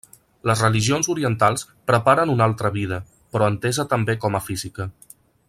Les religions orientals preparen una altra vida, però entesa també com a física.